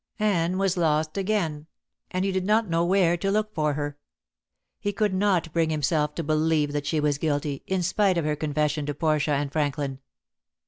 Anne was lost again, and he did not know where to look for her. He could not bring himself to believe that she was guilty, in spite of her confession to Portia and Franklin.